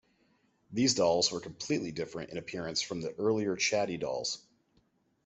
These dolls were completely different in appearance from the earlier Chatty dolls.